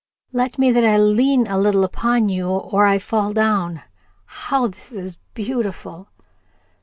"Let me that I lean a little upon you or I fall down. How this is beautiful!"